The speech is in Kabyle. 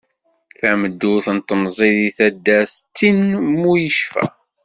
Tameddurt n temẓi-s di taddart d ttin mu yecfa.